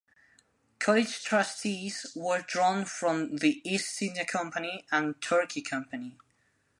College trustees were drawn from the East India Company and Turkey Company.